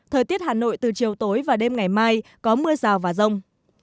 thời tiết hà nội từ chiều tối và đêm ngày mai có mưa rào và rông